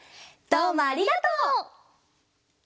どうもありがとう！